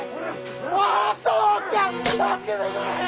お父ちゃん助けてくれよ！